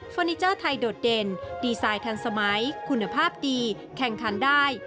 นิเจอร์ไทยโดดเด่นดีไซน์ทันสมัยคุณภาพดีแข่งขันได้